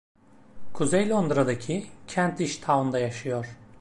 Kuzey Londra'daki Kentish Town’da yaşıyor.